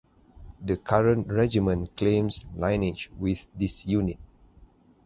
The current regiment claims lineage with this unit.